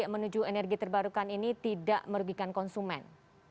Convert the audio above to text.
menuju energi terbarukan ini tidak merugikan konsumen